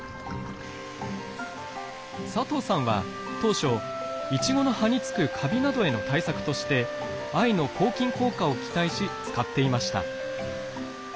佐藤さんは当初イチゴの葉につくカビなどへの対策として藍の抗菌効果を期待し使っていました。